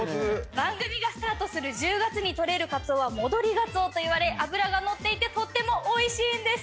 番組がスタートする１０月に取れるかつおは戻りがつおといわれ脂が乗っていてとってもおいしいんです